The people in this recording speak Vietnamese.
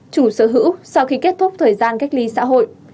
chủ sở hữu sau khi kết thúc thời gian cách ly xã hội